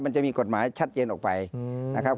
มันจะมีกฎหมายชัดเจนออกไปนะครับ